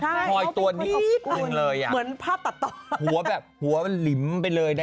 ใช่เขาเป็นคนขอบคุณเหมือนภาพตัดต่อหัวแบบหัวลิ้มไปเลยนะ